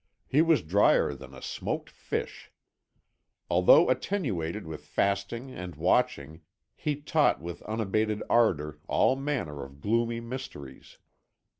He was drier than a smoked fish. Although attenuated with fasting and watching, he taught with unabated ardour all manner of gloomy mysteries.